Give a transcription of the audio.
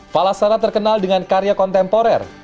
falasara terkenal dengan karya kontemporer